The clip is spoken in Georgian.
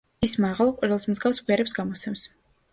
ის მაღალ, ყვირილს მსგავს ბგერებს გამოსცემს.